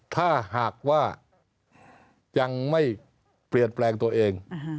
ถ้าหากว่ายังไม่เปลี่ยนแปลงตัวเอง